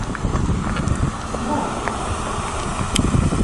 Xeṣreɣ.